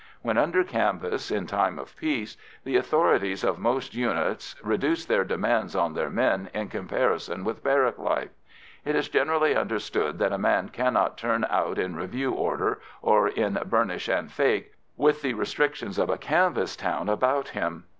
When under canvas in time of peace, the authorities of most units reduce their demands on their men in comparison with barrack life. It is generally understood that a man cannot turn out in review order, or in "burnish and fake," with the restrictions of a canvas town about him.